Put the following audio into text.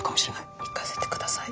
行かせて下さい。